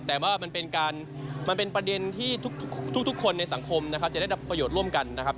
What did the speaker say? แต่ว่ามันเป็นประเด็นที่ทุกคนในสังคมจะได้ประโยชน์ร่วมกันนะครับ